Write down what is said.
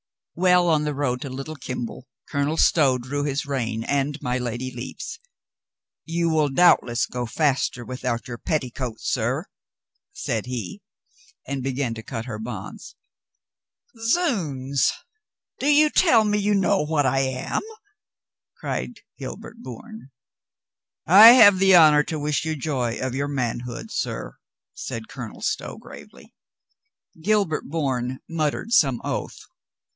Well on the road to Little Kimble, Colonel Stow drew his rein and my Lady Lepe's. "You will doubt less go faster without your petticoats, sir," said he, and began to cut her bonds. "Zounds, do you tell me you know what I am?" cried Gilbert Bourne. "I have the honor to wish you joy of your man hood, sir," said Colonel Stow gravely. Gilbert Bourne muttered some oath.